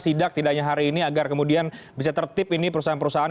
sidak tidak hanya hari ini agar kemudian bisa tertip ini perusahaan perusahaan